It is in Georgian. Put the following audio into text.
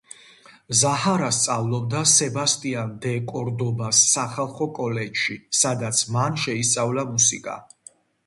ზაჰარა სწავლობდა სებასტიან დე კორდობას სახალხო კოლეჯში, სადაც მან შეისწავლა მუსიკა.